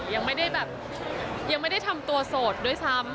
ยังไม่ได้แบบยังไม่ได้ทำตัวโสดด้วยซ้ำ